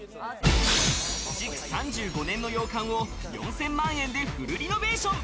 ３５年の洋館を４０００万円でフルリノベーション。